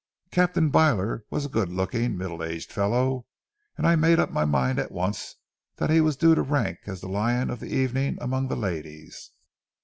Captain Byler was a good looking, middle aged fellow, and I made up my mind at once that he was due to rank as the lion of the evening among the ladies.